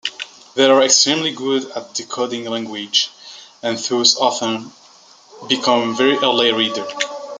They are extremely good at decoding language and thus often become very early readers.